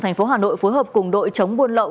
tp hà nội phối hợp cùng đội chống buôn lậu